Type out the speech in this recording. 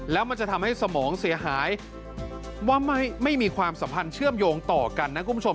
แล้วมันจะทำให้สมองเสียหายว่าไม่มีความสัมพันธ์เชื่อมโยงต่อกันนะคุณผู้ชม